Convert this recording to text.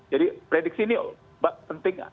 jadi prediksi ini penting